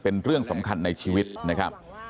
เป็นเรื่องสำคัญในชีวิตนะครับ